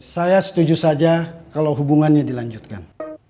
saya setuju saja kalau hubungannya dilanjutkan